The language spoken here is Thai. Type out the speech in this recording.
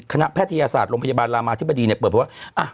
คณะแพทยศาสตร์โรงพยาบาลรามาธิบดีเนี้ยเปิดเพราะว่าอ่ะ